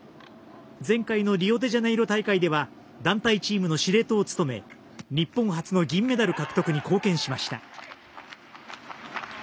前回のリオデジャネイロ大会では団体チームの司令塔を務め日本初の銀メダル獲得に貢献しました。